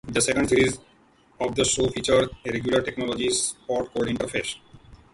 The second series of the show featured a regular technology spot called "Interface".